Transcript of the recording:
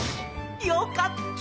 よかった！